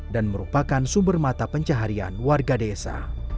dan merupakan sumber mata pencaharian warga desa